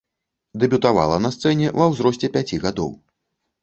Дэбютавала на сцэне ва ўзросце пяці гадоў.